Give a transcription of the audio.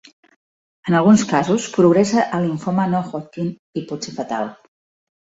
En alguns casos progressa a limfoma no Hodgkin i pot ser fatal.